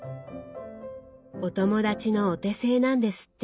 お友達のお手製なんですって。